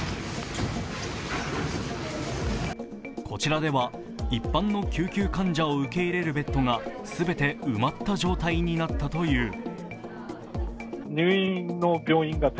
こちらでは一般の救急患者を受け入れるベッドが全て埋まった状態になったという。